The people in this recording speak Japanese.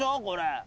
これ。